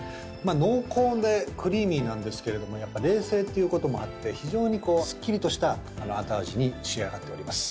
濃厚でクリーミーなんですけれども冷製っていうこともあって非常にスッキリとした後味に仕上がっております